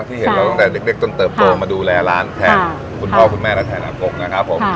เห็นเราตั้งแต่เล็กจนเติบโตมาดูแลร้านแทนคุณพ่อคุณแม่และแทนน้ำกกนะครับผม